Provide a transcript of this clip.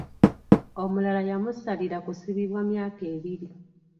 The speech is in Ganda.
Omulala yamusalira kusibibwa myaka ebiri.